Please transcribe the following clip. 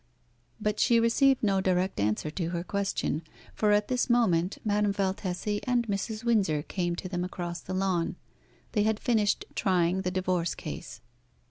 But she received no direct answer to her question, for at this moment Madame Valtesi and Mrs. Windsor came to them across the lawn. They had finished trying the divorce case.